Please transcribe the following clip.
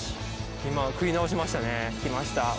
今食い直しましたね引きました